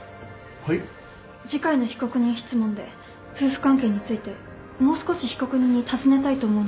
次回の被告人質問で夫婦関係についてもう少し被告人に尋ねたいと思うのですが。